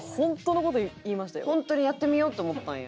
本当にやってみようって思ったんや。